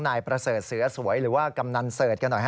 นายประเสริฐเสือสวยหรือว่ากำนันเสิร์ชกันหน่อย